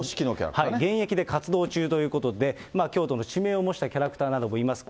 現役で活動中ということで、京都の地名を模したキャラクターなどもいます。